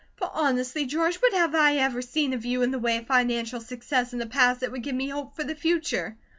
"But honestly, George, what have I ever seen of you in the way of financial success in the past that would give me hope for the future?"